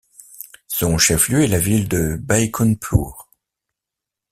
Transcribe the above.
Son chef-lieu est la ville de Baikunthpur.